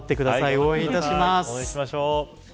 応援いたします。